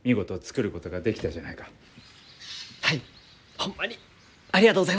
ホンマにありがとうございます。